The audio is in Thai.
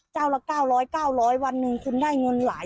เจ้าละ๙๐๐๙๐๐วันหนึ่งคุณได้เงินหลาย